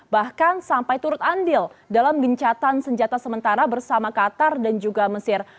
bahkan sampai turut andil dalam gencatan senjata sementara bersama qatar dan juga mesir